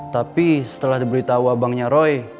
tapi setelah diberitahu abangnya roy